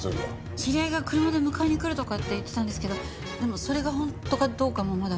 知り合いが車で迎えにくるとかって言ってたんですけどでもそれが本当かどうかもまだ。